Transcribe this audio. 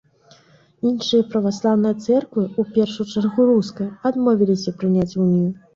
Іншыя праваслаўныя цэрквы, у першую чаргу руская, адмовіліся прыняць унію.